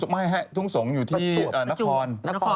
ไม่ฮะทุ่งสงฆ์อยู่ที่นคร